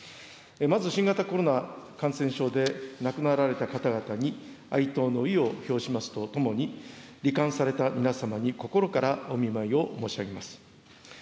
まず新型コロナ感染症で亡くなられた方々に、哀悼の意を表しますとともに、り患された皆様に心からお見舞いを申し上げます。